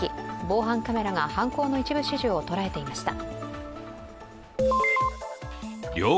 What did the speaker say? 防犯カメラが犯行の一部始終を捉えていました。